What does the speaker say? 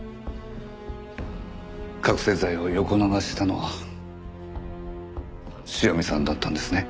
覚醒剤を横流ししたのは塩見さんだったんですね。